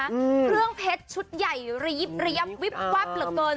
เครื่องเพชรชุดใหญ่รีบวิบวับเกลือเบิน